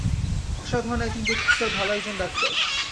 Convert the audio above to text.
অসাধারণ একজন ব্যক্তিত্ব আর ভালো একজন ডাক্তার।